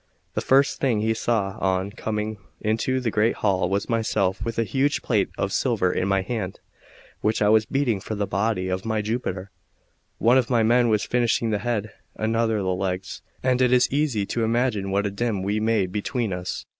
The first thing he saw on coming into the great hall was myself with a huge plate of silver in my hand, which I was beating for the body of my Jupiter; one of my men was finishing the head, another the legs; and it is easy to imagine what a din we made between us.